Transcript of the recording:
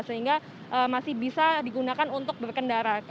sehingga masih bisa digunakan untuk berkendara